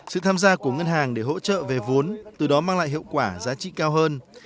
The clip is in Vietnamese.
sự tham gia của ngân hàng để hỗ trợ về vốn từ đó mang lại hiệu quả giá trị cao hơn